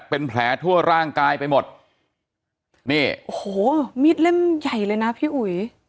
เป็นแผลทั่วร่างกายไปหมดนี่โอ้โหมีดเล่มใหญ่เลยนะพี่อุ๋ย